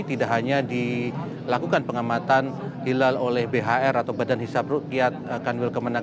tidak hanya dilakukan pengamatan hilal oleh bhr atau badan hisap rukyat kanwil kemenang